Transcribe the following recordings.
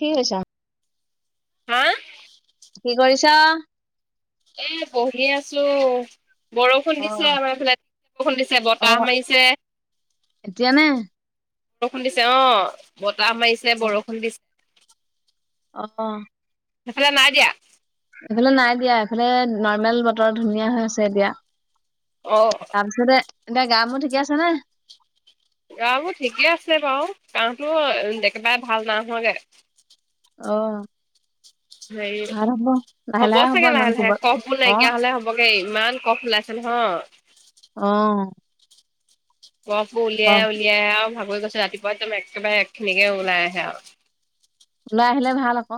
কি কৈছা। হা কি কৰিছ। এ বহি আছো। বৰষুণ অ দিছে আমাৰ এইফালে, বৰষুণ দিছে বতাহ মাৰিছে। এতিয়ানে? বৰষুণ দিছে অ', বতাহ মাৰিছে বৰষুণ দিছে। অ'। এফালে নাই দিয়া? এইফালে নাই দিয়া, এইফালে নৰ্মেল বতৰ ধুনীয়া হৈ আছে এতিয়া। অ'। তাৰপিছতে এতিয়া গা মোৰ ঠিকে আছে নে? গা মোৰ ঠিকে আছে বাৰু কাঁহটো একেবাৰে ভাল নাই হুৱাগে। অ'। হেৰী ভাল হ'ব লাহে হ'ব লাহে চাগে ইমান লাহে-লাহে কোবত কফ বোৰ অ নাইকিয়া হলে হ'বগে ইমান কফ ওলাইছে নহয়। অ'। কফবোৰ ক উলিয়াই-উলিয়াইে আৰু ভাগৰি গৈছে ৰাতিপুৱা একদম একেবাৰে একখিনিকে ওলাই আহে আৰু। ওলাই আহিলে ভাল আকৌ।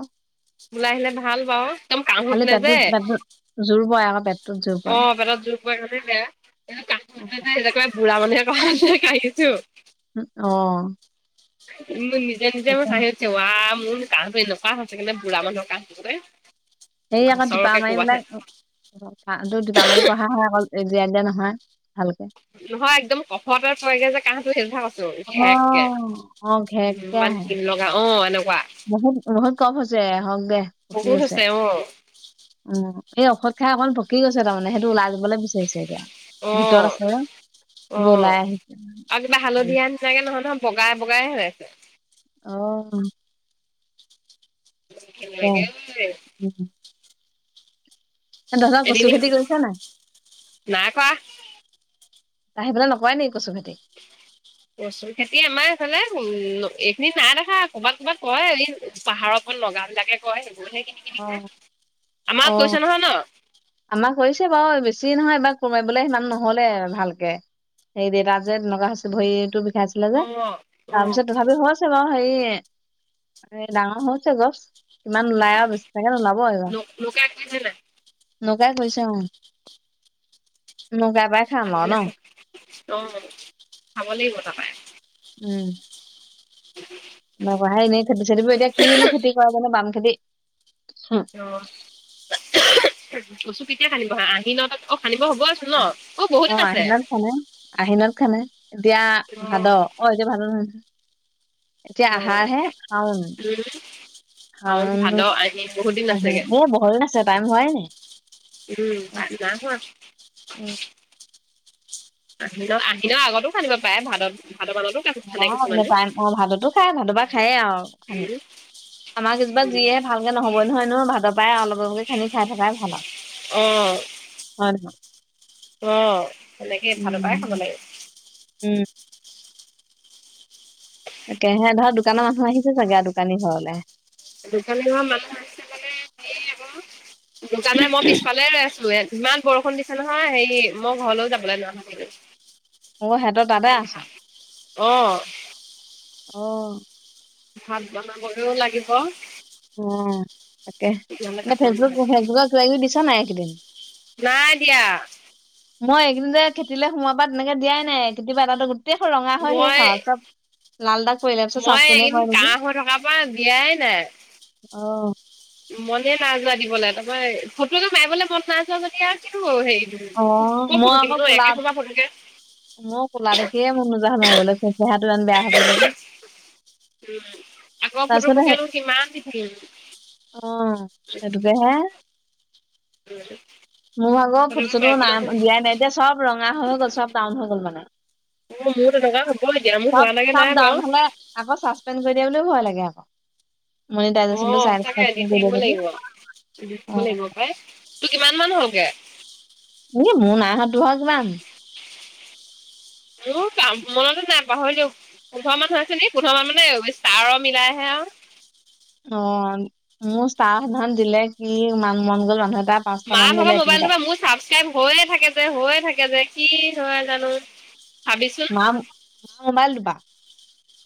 ওলাই আহিলে ভাল বাৰু। একদম কাঁহ খালি উঠিলে যে, পেটটোত পেটটোত জোৰ পৰে আকৌ পেটটোত অ', পেটত যুৰ পৰে কাৰনে বেয়া। অ'। তেনেকুৱা বুঢ়া মানুহে কহা নিচিনা কাহিছোঁ। অ'। মোক নিজে-নিজে মুৰ হাহিঁ। ৱা মোৰ কাঁহটো এনেকুৱা হৈছেগে নে বুঢ়া মানুহৰ কাঁহ কবলেহ? সেই আকৌ তিতা মাৰি পেলাই কাঁহটো তিপা মাৰি কঢ়া হয় অকল জিয়াই দিয়া নহয় ভালকে। নহয় একদম কফতে পৰেগে যে কাহটো হেলভা [unintelligible] অ ঘেক কেই, অ ইমান ঘিণ লগা অ', এনেকুৱা। বহুত-বহুত কফ হৈছে আহক দে, পকী বহুত গৈছে। হৈছে অ উম, সেই ঔষধ খাই অকন ভকি গৈছে তাৰমানে সেইটো ওলাই দিবলৈ এতিয়া অ ভিতৰত আছে, সেইবোৰ ওলাই আহিছে। ভাল [unintelligible] নহয়-নহয় বগাই-বগাই হৈ আছে। অ'। ঘিণ তাকে। লগে। উম হুম। তহঁতৰ এদিন কচু খেতি কৰিছে নাই? নাই কৰা সেইফালে নকৰে নেকি কচু খেতি? কচুৰ খেতি আমাৰ এইফালে উম এইখিনি নাই দেখা, ক'বাত-ক'বাত কয় এই পাহাৰত অ', নগা বিলিলাকে কয় এইবোৰ হে কিনি কিনি খায় অ', আমাক কৈছে অ'। নহয় ন আমাৰ কৰিছে বাৰু বেছি নহয় এইবাৰ ক'বাত বুলে সিমান নহলে ভালকে। সেই দেউতা যে তেনেকুৱা হৈছে ভৰিতটো বিষাইছিলে অ যে, অ তাৰপিছত অ তথাপিও হৈ আছে বাৰু হেৰি এ ডাঙৰ হৈ হৈছে গছ, কিমান ওলাই আৰু বেছ সেইকাৰণে ওলাব এইবাৰ। মোকে আকিছিলে লগাই থৈছে অঁ খাম আহি আৰু ন আছে অ খাব লাগিব তাপাই উম। ঢ়াই এনেই খেতি সেতি বোৰ এতিয়া কিনো খেতি কৰে জানো বাম খেতি হ। অ', কচু কেতিয়া খান্দিব আহি ন তাত অ', খান্দিব হ'ব ন অ বহুত দিন আছে আহিনত খানে আহিনত খানে এতিয়া অ ভাদ অ এতিয়া ভাদ নহ নহয় এতিয়া অ আহা হে শাওণ উম শাওন ভাদ আহিন বহুত দিন আছেগে অ বহুত দিন আছে টাইম হোৱাই নাই উম টাইম নাই হোৱা উম আহিনত আহিনৰ আগতো খান্দিব পাৰে ভাদ ভাদ মানতো অ খান্দে কিছুমানে নেপায় ন অ ভাদতো খাই ভাদ পা খায়েই আও খানি উম আমাৰ কেজোপা উম যিহে ভালকে নহবই নহয় নো ভাদৰ পৰাই অলপ অলপকে খানি খাই থকাই ভাল আৰু অঁ হয় নহয় অ এনেকে ভাদ পাই খাব উম লাগে উম তেনে ধৰ দোকানৰ মানুহ আহিছে চাগে দোকানী ঘৰলে দোকানি ঘৰ মানুহ আহিছে মানে হেই আক দুকানৰে মই পিছফালে ৰৈ আছো ইমান বৰষুণ দিছে নহয় হেৰি মই ঘৰলৈও যাবলৈ নোৱাৰা হ কেলে অ সেহঁতৰ তাতে আছ। অ'। অ'। ভাত বনাবলৈ লাগিব। অ' তাকে নহলে এনে কাপোৰ ফেচবুক, ফেচবুক কিবা কিবি দিছ নাই এইকেইদিন? নাই দিয়া মই এইকেইদিন যে খেতিলে সোমা পা তেনেকে দিয়াই নাই কেতিয়াবা তাতো গোটেইখন ৰঙা হৈ শেষ মই আও চব লাল দাগ পৰিলে চব মই চচপেনে এইকেইদিন হয় নেকি কাহ হৈ থকাৰ পৰা দিয়াই নাই অহ মনে নাই যোৱা দিবলে তাপা এই ফটো একপি মাৰিবলে মন নাই যোৱা যদি আৰু কিনো কৰো হেৰিটো অ কত ফটো দিলো ঐ একে সোপা ফটোকে ময়ো কোলা দেখিহে মন নুজুৱা হল মাৰিবলে চেহেৰাটো ইমান বেয়া হৈ পৰিলে যে আগৰ ফটো বোকেনো কিমান দি থাকিবি অঁ সেটোকেহে মোৰ ভাগৰ ফটোবোৰ ফটো চটো নাই মাৰিবলৈ দিয়াই নাই এতিয়া চব ৰঙা হৈ হৈ গ'ল চব ডাউন হৈ গ'ল মানে অ' মোৰ তেনেকুৱা হ'ব এতিয়া মোৰ চব হোৱা তেনেকে চব নাই ডাউন বাৰু। হলে আকৌ চাচপেণ্ড কৰি দিয়ে বুলিও ভয় লাগে আক অ' সচাকে দি কৰি দিয়ে থাকিব বুলি লাগিব। দি থাকিব অ লাগিব পাই তোৰ কিমান মান হ'লগে। এ মোৰ নাই হোৱা তুহ ভাগৰ কিমান। তোৰ কা মনতো নাই পাহৰিলো পোন্ধৰ মান হৈছে নি পোন্ধৰ মান মানে ষ্টাৰৰ মিলাই হে আও অ' মো ষ্টাৰ সেদিনিহন দিলে কি ইমান মন গ'ল মানুহে পাঁচটা মান দিলে তিন তাত। ছাবস্ক্ৰাইব হৈয়ে থাকে যে, হৈয়ে থাকে যে কি হয় জানো। ভাবিচোন মা মোবাইলটো পা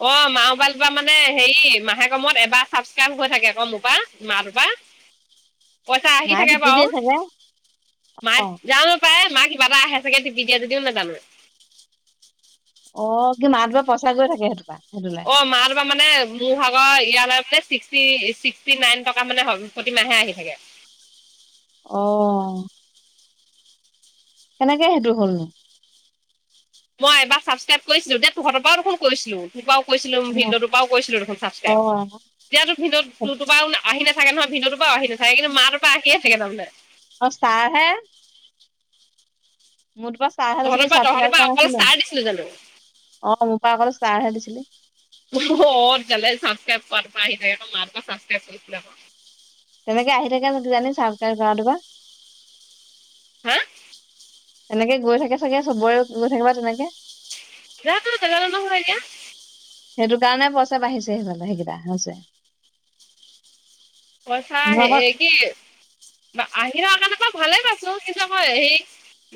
অ' মা মোবাইলটোৰ পৰা মানে হেৰি মাহেকৰ মূৰত এবাৰ ছাবস্ক্ৰাইব হৈ থাকে আকৌ মোৰ পৰা মা টোৰ পৰা। পইচা আহি মায়ে থাকে টিপি বাও দিয়ে চাগে মায়ে অ'। যানো পায় মা কিবা এটা আহে চাগে টপি দিয়া যদিও নাজানো। অ' কি মাটোপা পইচা গৈ থাকে সেইটোপা সেইটোলে অ' মা টো মানে মোৰ ভাগৰ ইয়ালে মানে ছিক্সটি, ছিক্সটি নাইন টকা মানে প্ৰতিমাহে আহি থাকে। অ কেনেকে সেইটো হ'লনো? মই এবাৰ ছাবস্ক্ৰাইব কৰিছিলো দে তহঁতৰ পৰাও দেখোন কৰিছিলো। তোৰপাওঁ কৈছিলো অ', ভিনিদেও তোৰ পাও কৈছিলো অ', চাবস্ক্ৰাইব। এতিয়াতো ভিনদেউ তোৰ তো পৰাও আহি নাথাকে নহয়, ভিনদেউতো পৰাও আহি নাথাকে কিন্তু মা তোৰ পৰা আহিয়ে থাকে তাৰমানে। হষ্টাৰ হে মোৰ তো পৰা ষ্টাৰ হে তহঁতৰ লৈছিলি পৰা তহঁতৰ ছাবস্ক্ৰাইব পৰা কৰা অকল নাছিলো ষ্টাৰ দিছিলো জানো অ' মোৰ পৰা অক ইষ্টাৰ হে দিছিলি। অ' তেতিয়া হ'লে চাবচক্ৰাইব কৰা টো আহি মাৰ টোৰ পৰা চাবক্ৰাইব কৰিছিলোঁ আক তেনেকে আহি থাকে কিজানি চাবচক্ৰাইব কৰাটো পৰা। হা। তেনেকে গৈ থাকে চাগে চবৰে গৈ থাকিব বা তেনেকে। যানো নেজানো নহয় এতিয়া। সেইটো কাৰণে পইচা বাঢ়িছে সেইফালে, সেইকেইটা হৈছে। পইচা মোৰ হে আকৌ কি বা আহি থকা কাৰণে মই ভালে পাইছো কিন্তু আকৌ এহি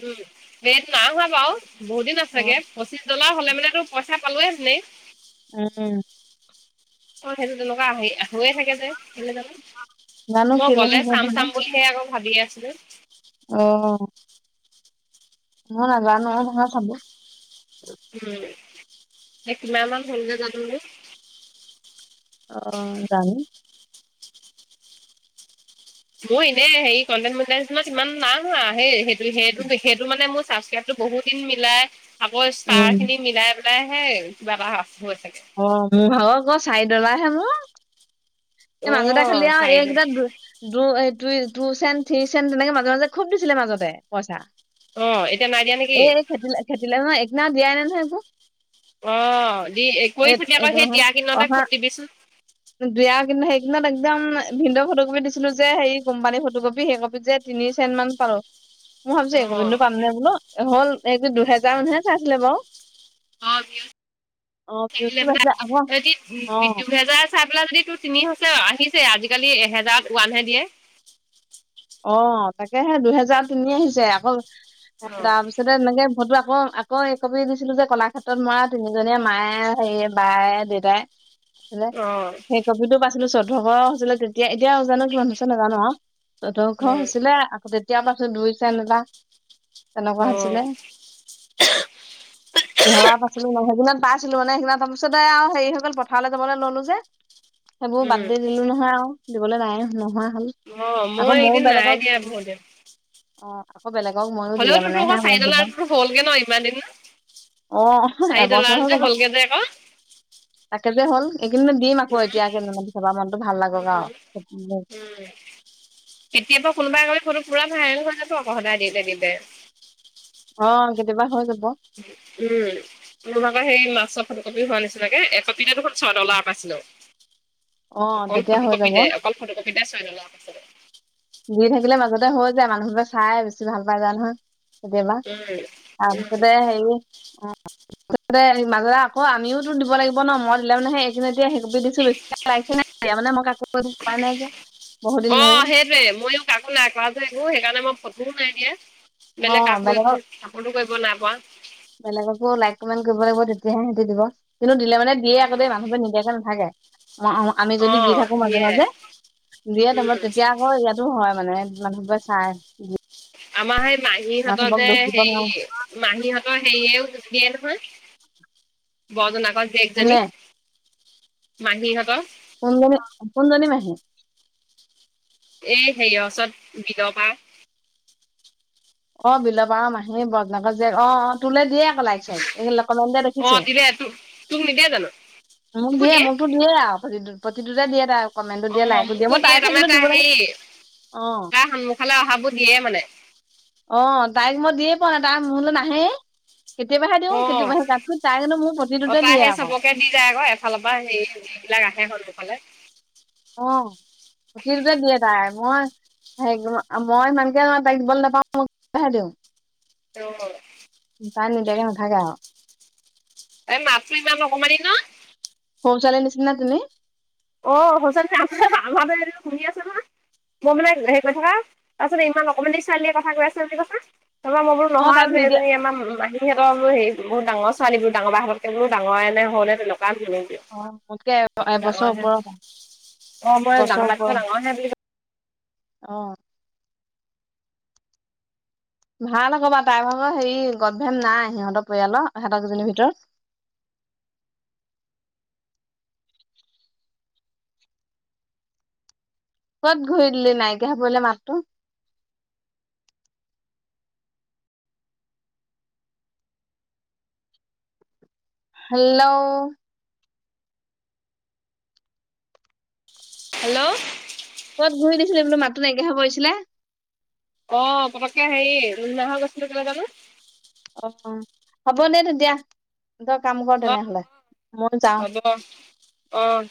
উম বেদ না হোৱা বাও। বহুত দিন আছোগে অ', পঁচিছ ডলাৰ হ'লে মানে তো পইচা পালোয়ে হেতেনি। উম'। অ সেইটো তেনেকুৱা হৈয়ে থাকে যে কেলে জানো? জানো মই কেলে হৈ গ'লে যায় চাম জানো চাম বুলি সে আকৌ ভাবিয়ে আছিলোঁ। অ। মই নাজানো নহয় চাব উম, এ কিমান মান হ'লগে জানো মোৰ? অ জানো। মই এনেই কণ্টেণ্ট মনিটাইজেচনত ইমান নাই অহা সেই সেইটো সেইটো সেইটো মানে মোৰ চাচাকাৰাইব। বহুত দিন মিলাই আকৌ ষ্টাৰ উম খিনি মিলাই পেলাইহে কিবা এটা হৈ চাগে। অ' মোৰ ভাগৰ ক চাৰি ডলা হে মোৰ। এই অ মাজতে খালি আও চাৰিটা এইকেইটা। দু টু চেন, থ্ৰী চেণ তেনেকে মাজে-মাজে খুব দিছিলে মাজতে পইচা। অ' এতিয়া নাই দিয়া নেকি? খেতিলে খেতিলে ময় একআনা দিয়াই নহয় এভো। অ' দি কৰি চাবি এইটো আকৌ সেই দিয়া কেইদিনতে খুব দিবিচোন। দিয়াক কিন্তু সেইকিনি দিনত একদম ভিনদেউ ফটোকপি দিছিলো যে সেই কোম্পানী ফটোকপি সেই কপিত যে তিনি চেন মান পালো, মই ভাবিছোঁ এ অ', কপিটনো পামনে বোলো হ'ল এই যে দুহেজাৰ মানুহে চাইছিলে বাও অ ভিওছ আহিলে ভিউজটো মানে পাইছিলে আকৌ উ কি অ দুহেজাৰ [unintelligible] চাই পেলাই যদি তোৰ তিনি হৈছে আহিছে আজিকালি এহেজাৰত ওৱানহে দিয়ে। অ তাকে সে দুহেজাৰ তিনি আহিছে আকৌ অ', তাৰপিছ পাছতে তেনেকে ফটো আকৌ আকৌ একপি দিছিলো যে কলাক্ষেত্ৰত মৰা তিনিজনীয়ে মায়ে সেইয়ে বায়ে দেউ তাই ছিলে অ', সেই কপিটো পাইছিলো চৈধ্যশ হৈছিলে তেতিয়া এতিয়া জানো কিমান হৈছে নাজানো আৱ চৈধ্যশ উম, হৈছিলে আকৌ তেতিয়াৰ পৰাচোন দুই চেন এটা তেনেকুৱা অ', হৈছিলে। [unintelligible] কিহবা পাইছিলো মই সেইদিনা পাইছিলো মানে সেইদিনা তাৰ পিছতে আৱ হেৰী হৈ গ'ল পথাৰলে যাবলে ল'লো যে সেইবোৰ উম, বাদ দি দিলো নহয় আৱ দিবলে নায়ে নোহোৱা হ'ল। অ', আকৌ মই মও এইদিন নাই বেলেগত দিয়া অহ, বহুত দিন অ। আকৌ বেলেগক ময়ো দিলে হ'লেওতো তোৰ মানেহে আকৌ চাৰি মোক দিব। ডলাৰতো হ'লগে ন ইমান দিন অ, চাৰি এবছৰ হৈ ডলাৰতে গ'ল অ। হ'লগে যে আকৌ তাকে যে হ'ল এইকেইদিনত দিম আকৌ উম, এতিয়া কেইদিনমান পিছ পা মনটো ভাল লাগক উম, আৱ। উম, কেতিয়াবা কোনোবা একপি ফটো পুৰা ভাইৰেল হৈ যাব আকৌ সদায় দিলে দিলে। অ কেতিয়াবা হৈ যাব। উম। মোৰ ভাগৰ সেই নাচৰ ফটো কপি হোৱা নিচিনাকে একপিটে দেখোন ছয় ডলাৰ পাইছিলো। অ' অকল তেতিয়া ফটো হৈ যাব কপিতে অকল ফটো কপিতে ছয় ডলাৰ পাইছিলো। দি থাকিলে মাজতে হৈ যায়। মানুহবোৰে চাই বেছি ভাল পাই যায় নহয়। কেতিয়াবা উম। উম, তাপিছতে হেই অ। তাপিছতে মাজতে আকৌ আমিওটো দিব লাগিব ন? মই দিলে মানে হে কিন্তু এতিয়া সেই কপি দিছো বেছিকে লাইকে [unintelligible] মানে মই আকৌ [unintelligible] নাই যে বহু দিন ধৰি। [unintelligible] ময়ো কাকো নাই কৰা যে একো। সেইকাৰণে মই ফটোও নাই দিয়া। অ' বেলেগ কাকো একো বেলেগক চাপৰ্টো কৰিব নাই পৰা। বেলেগকো লাইক, কমেণ্ট কৰিব লাগিব তেতিয়াহে সিহঁতে দিব। কিন্তু দিলে মানে দিয়ে আক' দেই। মানুহবোৰে নিদিয়াকে নাথাকে। অ আ আমি যদি দি অ' থাকো মাজে দিয়ে মাজে। দিয়ে তাপা উম, তেতিয়া আকৌ ইয়াত টো হয় মানে মানুহবোৰে চাই আমাৰ সেই মাহীহঁতৰ মানুহবোৰক যে দোষ দিব হেই নোৱাৰো মাহীহঁতৰ হেইয়েও দিয়ে নহয় বৰজনাকৰ কোনে জীয়েকজনী। মাহীহঁতৰ। কোনজনী, কোনজনী মাহী? এই হেৰিয়ৰ ওচৰত বিলৰ পাৰ অ, বিলৰ পাৰৰ মাহীৰ বৰ্তাকৰ জীয়েক, অ', অ', তোলে দিয়ে কিবা লাইক-চাইক এ [unintelligible] দিয়া দেখিছো। অ' দিলে তোক তোক নিদিয়ে জানো মোক দিয়ে মোৰটোত দিয়ে আও প্ৰতিটোত প্ৰতিটোতে দিয়ে তাই। কমেণ্টটো অ', দিয়ে লাইকো মোকো মই দিয়ে। তাইকহে তাৰমানে কিন্তু তাৰ দিবলৈ হেই অ তাইৰ সন্মুখলে অহাবোৰ দিয়ে মানে। অ তাইক মই দিয়ে পোৱা নাই। তাই মোলে নাহেই। কেতিয়াবাহে দিওঁ অ কেতিয়াবাহে তাত তাই কিন্তু মোৰ প্ৰতিটোতে দিয়ে আকৌ। তে দি যায় আকৌ এফালৰ পৰা যিবিলাক আহে সন্মুখলে। অ প্ৰতিটোতে দিয়ে তাই। মই সেই মই ইমানকে তাইক দিবলে নেপাওঁ। [unintelligible] হে দিওঁ। অ। বা নিদিয়াকে নাথাকে আও। তাইৰ মাতটো ইমান অকমানি ন? সৰু ছোৱালীৰ নিচিনা তেনেই। অ, সঁচাকে আ [unintelligible] আমাৰটোৱে এদিন শুনি আছে নহয়। মই মানে হেৰি কৰি থাকা, তাৰপিছত ইমান অকমানি ছোৱালীয়ে কথা কৈ আছে বুলি কৈছে। তাৰপা মই বোলো অ তাই নহয় ভিডিঅ' এইজনী আমাৰ মাহী সিহঁতৰ বোলো হেৰি, বহুত ডাঙৰ ছোৱালী বুলি ডাঙৰ বাহঁতককে বোলো ডাঙৰে নে সৰুৱেনে তেনেকুৱা বোলো। অ মোতকে এ এবছৰ ডাঙৰহে ওপৰ হ'ব। অ মই ডাঙৰ এবছৰৰ বাতকৈ ওপৰ। ডাঙৰহে বুলি অ। ভাল আকৌ বা তাইৰ ভাগৰ হেৰি গদ ভেম নাই সিহঁতৰ পৰিয়ালৰ সিহঁতৰ কিজনীৰ ভিতৰত। কত ঘূৰি দিলি নাইকিয়া হৈ পৰিলে মাতটো। হেল্লও হেল্লও ক'ত ঘূৰি দিছিলি বোলো মাতটো নাইকিয়া হয় পৰিছিলে। অ', পতককে হেৰি, নুশুনা হয় গৈছিলোঁ কেলে জানোঁ', অ', হ'ব দে তেতিয়া, তই কাম কৰ তেনেহলে, মই যাওঁ', অ', - অ',